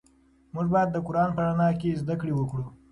موږ باید د قرآن په رڼا کې زده کړې وکړو.